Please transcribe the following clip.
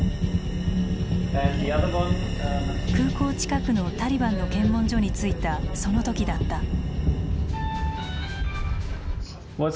空港近くのタリバンの検問所に着いたその時だった。